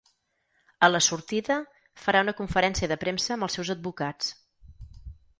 A la sortida, farà una conferència de premsa amb els seus advocats.